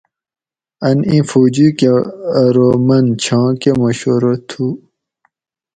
ان ایں فوجی کہ ارو من چھاں کہۤ مشورہ تھو